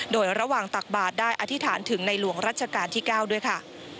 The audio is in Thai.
โดยระหว่างตักบาทได้อธิษฐานถึงในหลวงรัชกาลที่๙ด้วยค่ะ